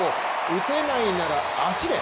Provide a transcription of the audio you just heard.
打てないなら足で。